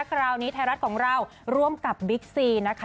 คราวนี้ไทยรัฐของเราร่วมกับบิ๊กซีนะคะ